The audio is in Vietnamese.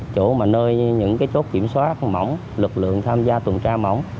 chỗ mà nơi những cái chốt kiểm soát mỏng lực lượng tham gia tuần tra mẫu